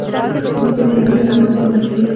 که میندې تعلیم ولري نو واکسین به نه هیروي.